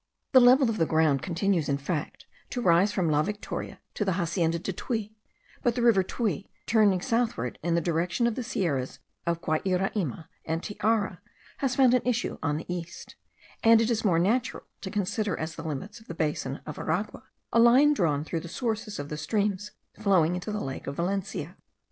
The level of the ground continues, in fact, to rise from La Victoria to the Hacienda de Tuy; but the river Tuy, turning southward in the direction of the sierras of Guairaima and Tiara has found an issue on the east; and it is more natural to consider as the limits of the basin of Aragua a line drawn through the sources of the streams flowing into the lake of Valencia.